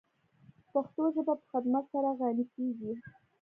پښتو ژبه په خدمت سره غَنِی کیږی.